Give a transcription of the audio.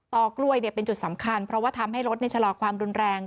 กล้วยเป็นจุดสำคัญเพราะว่าทำให้รถชะลอความรุนแรง